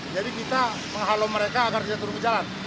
jadi kita menghalau mereka agar tidak turun ke jalan